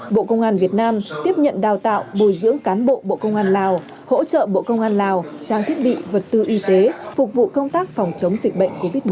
bộ công an việt nam tiếp nhận đào tạo bồi dưỡng cán bộ bộ công an lào hỗ trợ bộ công an lào trang thiết bị vật tư y tế phục vụ công tác phòng chống dịch bệnh covid một mươi chín